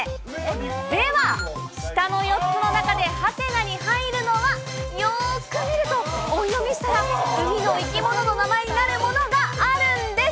では、下の４つの中でハテナに入るのは、よーく見ると、音読みしたら、海の生き物の名前になるものがあるんです。